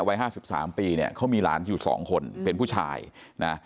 วัยห้าสิบสามปีเนี่ยเขามีร้านอยู่สองคนเป็นผู้ชายนะ